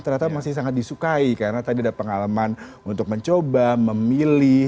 ternyata masih sangat disukai karena tadi ada pengalaman untuk mencoba memilih